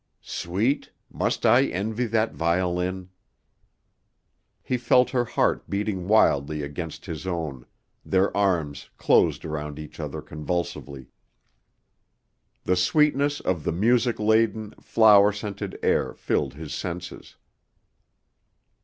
"Sweet, must I envy that violin?" He felt her heart beating wildly against his own, their arms closed around each other convulsively. The sweetness of the music laden, flower scented air filled his senses.